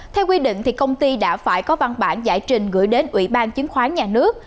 theo quy định công ty đã phải có văn bản giải trình gửi đến ủy ban chứng khoán nhà nước